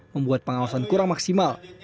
membuat pengawasan kurang maksimal